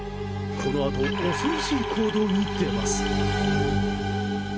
このあと恐ろしい行動に出ます。